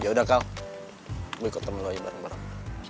yaudah karl gue ikut temen lo aja bareng bareng